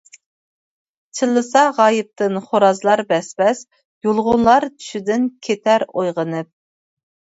چىللىسا غايىبتىن خورازلار بەس-بەس، يۇلغۇنلار چۈشىدىن كېتەر ئويغىنىپ.